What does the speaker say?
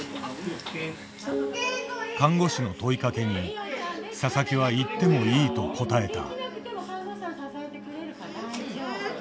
看護師の問いかけに佐々木はいってもいいと答えた。